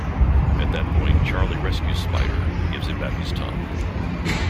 At that point, Charlie rescues Spider and gives him back his tongue.